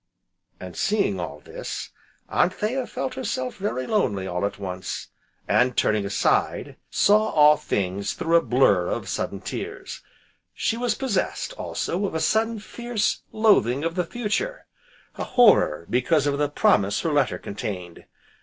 And, seeing all this, Anthea felt herself very lonely all at once, and, turning aside, saw all things through a blur of sudden tears. She was possessed, also, of a sudden, fierce loathing of the future, a horror because of the promise her letter contained.